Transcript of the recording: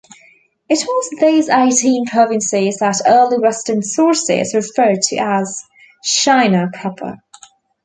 It was these eighteen provinces that early Western sources referred to as China proper.